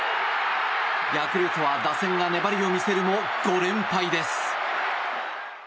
ヤクルトは打線が粘りを見せるも５連敗です。